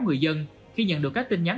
người dân khi nhận được các tin nhắn